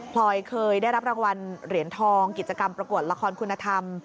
ลอยเคยได้รับรางวัลเหรียญทองกิจกรรมประกวดละครคุณธรรม